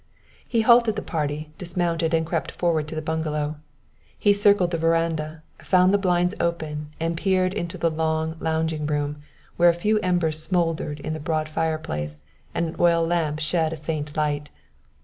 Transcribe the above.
He halted the party, dismounted and crept forward to the bungalow. He circled the veranda, found the blinds open, and peered into the long lounging room, where a few embers smoldered in the broad fireplace, and an oil lamp shed a faint light.